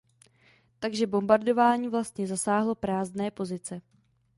Takže bombardování vlastně zasáhlo prázdné pozice.